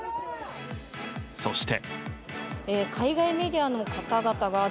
そして。